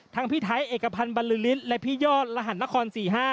พี่ไทยเอกพันธ์บรรลือฤทธิ์และพี่ยอดรหัสนคร๔๕